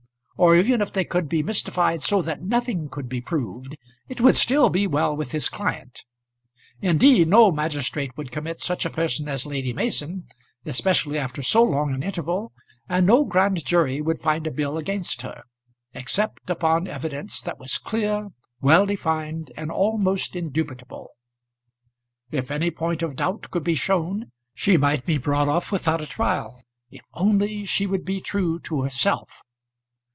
Or even if they could be mystified so that nothing could be proved, it would still be well with his client. Indeed no magistrate would commit such a person as Lady Mason, especially after so long an interval, and no grand jury would find a bill against her, except upon evidence that was clear, well defined, and almost indubitable. If any point of doubt could be shown, she might be brought off without a trial, if only she would be true to herself.